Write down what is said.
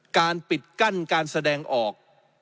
การปิดกั้นการแสดงออก